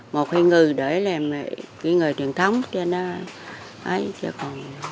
một hai người để làm cái người truyền thống cho nó